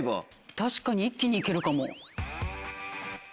確かに一気に行けるかも。